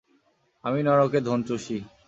আমি নরকে ধোন চুষি।